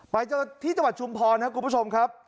ที่จังหวัดชุมพรครับคุณผู้ชมครับ